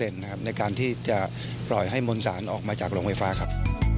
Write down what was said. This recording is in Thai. ในการที่จะปล่อยให้มนต์สารออกมาจากโรงไฟฟ้าครับ